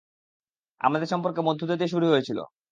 আমাদের সম্পর্ক বন্ধুত্ব দিয়ে শুরু হয়েছিল।